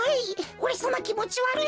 おれさまきもちわるい？